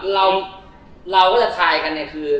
เราก็เท้าใจกันคือ